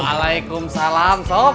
assalamualaikum salam sob